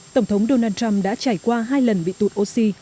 tổng thống donald trump đã trải qua hai lần bị tụt oxy